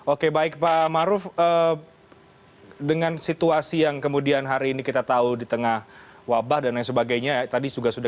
oke baik pak maruf dengan situasi yang kemudian hari ini kita tahu di tengah wabah dan lain sebagainya